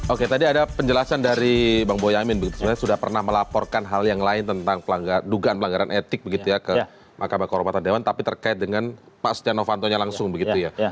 oke tadi ada penjelasan dari bang boyamin begitu sebenarnya sudah pernah melaporkan hal yang lain tentang dugaan pelanggaran etik begitu ya ke mahkamah kehormatan dewan tapi terkait dengan pak setia novantonya langsung begitu ya